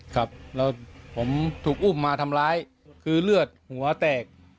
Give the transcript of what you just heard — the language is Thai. ครับแล้วผมถูกอุ้มมาทำร้ายคือเลือดหัวแตก